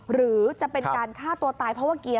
หรือจะเป็นการฆ่าตัวตายเพราะว่าเกียร์